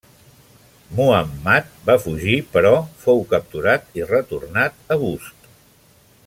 Muhammad va fugir però fou capturat i retornat a Bust.